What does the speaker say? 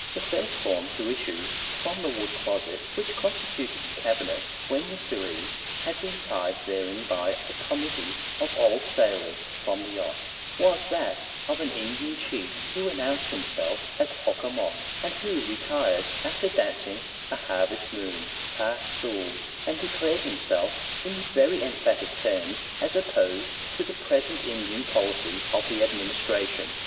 "The first form to issue from the wood closet which constituted the cabinet, when Mr. E had been tied therein by a committee of old sailors from the yachts, was that of an Indian chief who announced himself as Hock a mock, and who retired after dancing a 'Harvest Moon' pas seul, and declaring himself in very emphatic terms, as opposed to the present Indian policy of the Administration.